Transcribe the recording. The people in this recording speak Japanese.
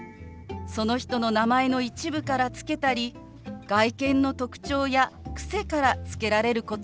その人の名前の一部から付けたり外見の特徴や癖から付けられることもあります。